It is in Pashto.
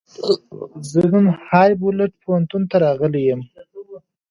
زه نن هامبولټ پوهنتون ته راغلی یم.